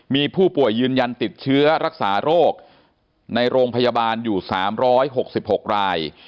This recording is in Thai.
มีผู้ป่วยยืนยันติดเชื้อรักษาโรคในโรงพยาบาลอยู่๓๖๖ราย